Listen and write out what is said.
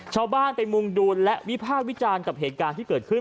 ชาวบ้านไปมุงดูและวิพากษ์วิจารณ์กับเหตุการณ์ที่เกิดขึ้น